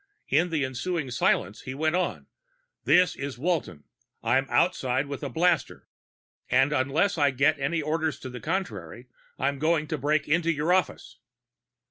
In the ensuing silence he went on, "This is Walton. I'm outside with a blaster, and unless I get any orders to the contrary, I'm going to break into your office."